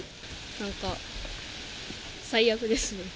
なんか、最悪ですね。